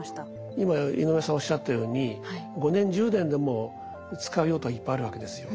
今井上さんおっしゃったように５年１０年でも使う用途はいっぱいあるわけですよ。